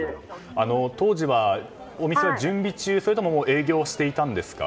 当時は、お店は準備中それとも営業していたんですか？